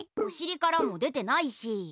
おしりからも出てないし。